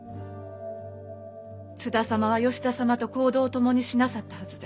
津田様は吉田様と行動を共にしなさったはずじゃ。